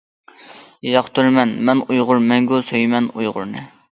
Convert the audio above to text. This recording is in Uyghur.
ياقتۇرىمەن مەن ئۇيغۇر مەڭگۈ سۆيىمەن ئۇيغۇرنى!